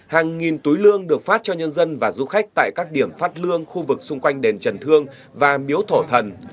hàng nghìn túi lương được phát cho nhân dân và du khách tại các điểm phát lương khu vực xung quanh đền trần thương và miếu thổ thần